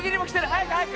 早く早く！